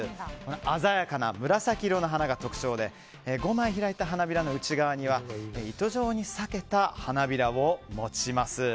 鮮やかな紫色の花が特徴で５枚開いた花びらの内側には糸状に裂けた花びらを持ちます。